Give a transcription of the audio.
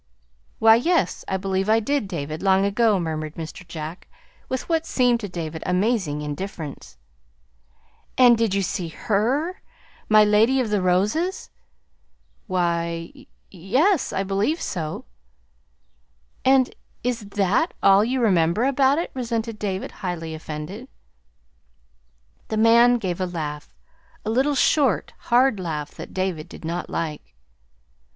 "Why, yes, I believe I did, David, long ago," murmured Mr. Jack with what seemed to David amazing indifference. "And did you see HER my Lady of the Roses?" "Why, y yes I believe so." "And is THAT all you remember about it?" resented David, highly offended. The man gave a laugh a little short, hard laugh that David did not like.